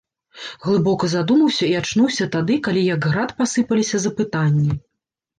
Глыбока задумаўся і ачнуўся тады, калі як град пасыпаліся запытанні.